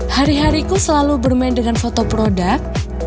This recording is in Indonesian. hari hariku selalu bermain dengan foto produk